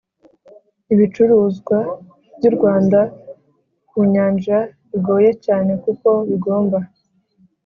ibicuruzwa by'u rwanda ku nyanja bigoye cyane, kuko bigomba